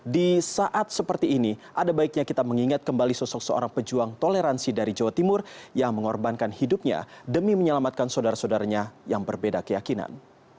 di saat seperti ini ada baiknya kita mengingat kembali sosok seorang pejuang toleransi dari jawa timur yang mengorbankan hidupnya demi menyelamatkan saudara saudaranya yang berbeda keyakinan